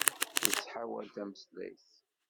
Yettḥawal tameslayt.